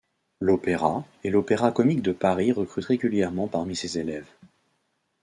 L'Opéra et l'Opéra-Comique de Paris recrutent régulièrement parmi ses élèves.